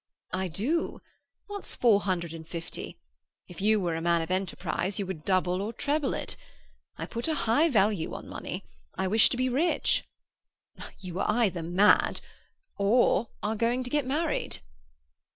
"I do! What's four hundred and fifty? If you were a man of enterprise you would double or treble it. I put a high value on money. I wish to be rich!" "You are either mad or are going to get married."